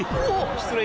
失礼。